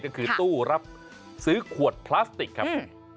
ก็คือตู้รับซื้อขวดพลาสติกครับ